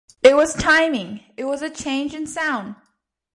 It was timing; it was a change in sound.